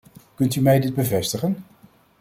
Kunt u mij dit bevestigen?